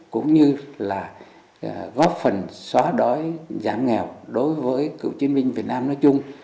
cũng như là góp phần xóa đói giảm nghèo đối cử junior việt nam nói chung